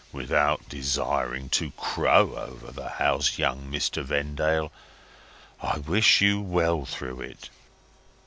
Without desiring to crow over the house, young Mr. Vendale, I wish you well through it.